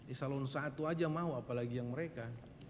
esalon satu aja mau apalagi yang mereka